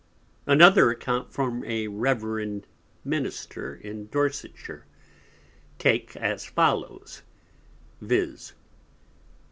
Another Account from a Reverend Minister in Dorsetshire, take as follows, _viz.